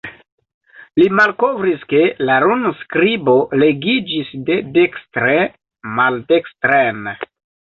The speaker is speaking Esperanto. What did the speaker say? Li malkovris ke la runskribo legiĝis de dekstre maldekstren.